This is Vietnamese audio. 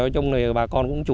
trong này bà con cũng chủ đề